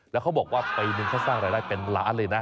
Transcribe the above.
แล้วเขาบอกว่าปีนึงเขาสร้างรายได้เป็นล้านเลยนะ